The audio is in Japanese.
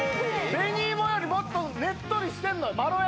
紅イモよりもっとねっとりしてんのよまろやかで。